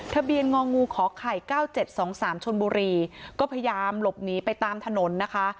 งองูขอไข่๙๗๒๓ชนบุรีก็พยายามหลบหนีไปตามถนนนะคะ